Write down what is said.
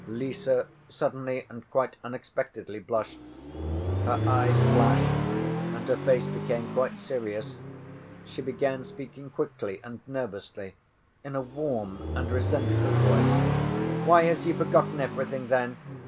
Lise suddenly and quite unexpectedly blushed. Her eyes flashed and her face became quite serious. She began speaking quickly and nervously in a warm and resentful voice: "Why has he forgotten everything, then?